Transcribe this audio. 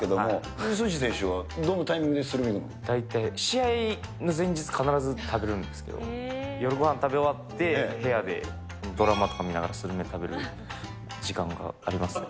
李承信選手は、大体試合の前日、必ず食べるんですけど、夜ごはん食べ終わって、部屋でドラマとか見ながらスルメ食べる時間がありますね。